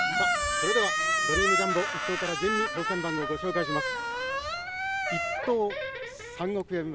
それではドリームジャンボ１等から順に当せん番号ご紹介いたします。